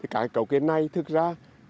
các cấu kiện này thực ra